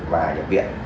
và nhập viện